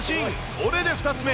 これで２つ目。